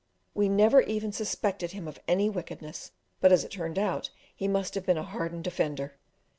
We never even suspected him of any wickedness, but as it turned out he must have been a hardened offender.